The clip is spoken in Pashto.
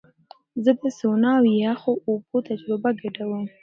زه د سونا او یخو اوبو تجربه ګډوم.